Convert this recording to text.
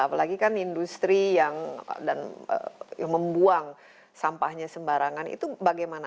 apalagi kan industri yang dan membuang sampahnya sembarangan itu bagaimana